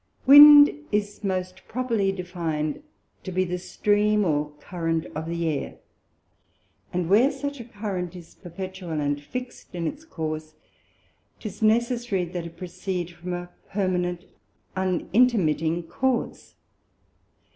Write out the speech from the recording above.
Wind is most properly defined to be the Stream or Current of the Air, and where such a Current is perpetual and fixt in its Course, 'tis necessary that it proceed from a permanent un intermitting Cause.